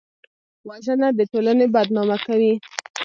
وژنه د ټولنې بدنامه کوي